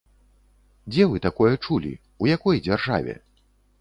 Дзе вы такое чулі, у якой дзяржаве?